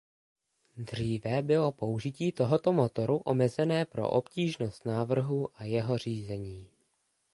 Dříve bylo použití tohoto motoru omezené pro obtížnost návrhu a jeho řízení.